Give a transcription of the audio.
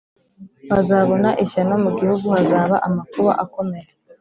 bazabona ishyano mu gihugu hazaba amakuba akomeye